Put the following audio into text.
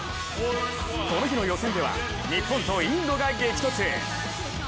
この日の予選では、日本とインドが激突。